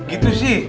oh gitu sih